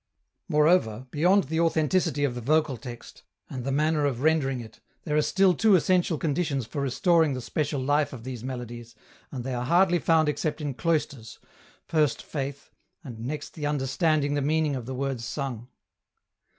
EN ROUTE. QC " Moreover, beyond the authenticity of the vocal text, and the manner of rendering it, there are still two essential con ditions for restoring the special life of these melodies, and they are hardly found except in cloisters, first Faith, and next the understanding the meaning of the words sung."